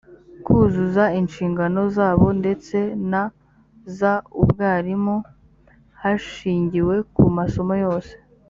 kuzuza inshingano zabo ndetse na zaubwarimu hashingiwe ku masomo yose